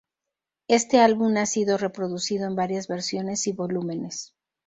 Este álbum ha sido reproducido en varias versiones y volúmenes.